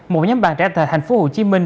một nhóm bàn trẻ tại thành phố hồ chí minh